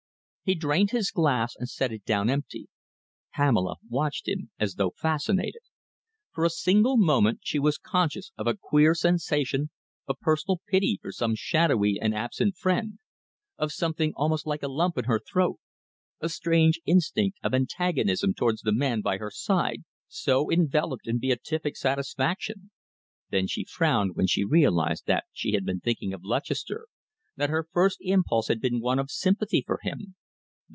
He drained his glass and set it down empty. Pamela watched him as though fascinated. For a single moment she was conscious of a queer sensation of personal pity for some shadowy and absent friend, of something almost like a lump in her throat, a strange instinct of antagonism towards the man by her side so enveloped in beatific satisfaction then she frowned when she realised that she had been thinking of Lutchester, that her first impulse had been one of sympathy for him.